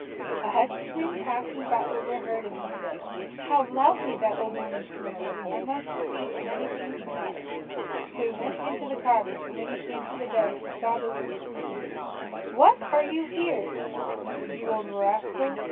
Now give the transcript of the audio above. A huntsman passing by overheard him, and said, "How loudly that old woman snores! I must see if anything is the matter." So he went into the cottage; and when he came to the bed, he saw the Wolf sleeping in it. "What! are you here, you old rascal?